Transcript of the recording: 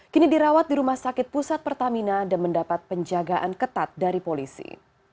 kini dirawat di rumah sakit pusat pertamina dan mendapat penjagaan ketat dari polisi